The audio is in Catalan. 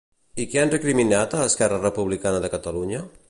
I què han recriminat a Esquerra Republicana de Catalunya?